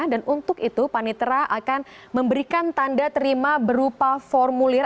dan untuk itu panitra akan memberikan tanda terima berupa formulir